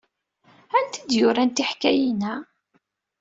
Anta i d-yuran tiḥkayin-a?